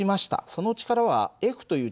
その力はＦという力